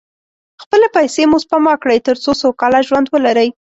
خپلې پیسې مو سپما کړئ، تر څو سوکاله ژوند ولرئ.